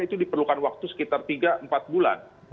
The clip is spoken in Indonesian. itu diperlukan waktu sekitar tiga empat bulan